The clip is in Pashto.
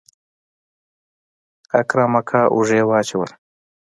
اکرم اکا اوږې واچولې.